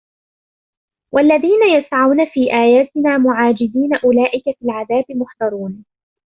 والذين يسعون في آياتنا معاجزين أولئك في العذاب محضرون